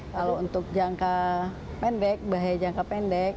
kalau untuk jangka pendek bahaya jangka pendek